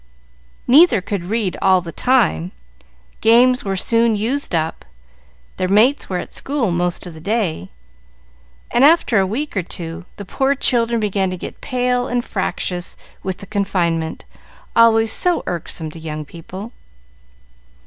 Neither could read all the time, games were soon used up, their mates were at school most of the day, and after a week or two the poor children began to get pale and fractious with the confinement, always so irksome to young people.